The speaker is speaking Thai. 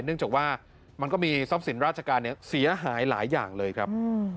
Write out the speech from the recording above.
เนื่องจากว่ามันก็มีทรัพย์สินราชการเนี่ยเสียหายหลายอย่างเลยครับ